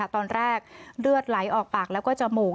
ตอนแรกเลือดไหลออกปากแล้วก็จมูก